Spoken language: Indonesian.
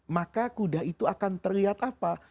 maka kuda itu akan terlihat apa